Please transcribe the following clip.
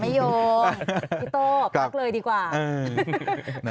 โยงพี่โต้พักเลยดีกว่า